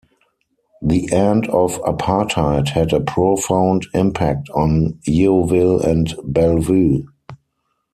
The end of apartheid had a profound impact on Yeoville and Bellevue.